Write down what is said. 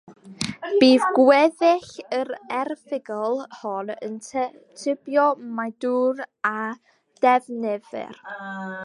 Bydd gweddill yr erthygl hon yn tybio mai dŵr a ddefnyddir.